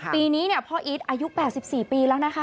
ปีนี้พ่ออีทอายุ๘๔ปีแล้วนะคะ